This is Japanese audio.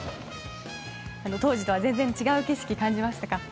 当時とは全然違う景色を感じましたか？